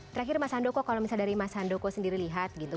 terakhir mas handoko kalau misalnya dari mas handoko sendiri lihat gitu